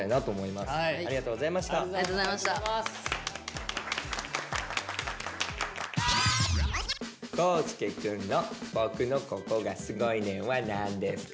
廣祐くんの「僕のココがすごいねん！」は何ですか？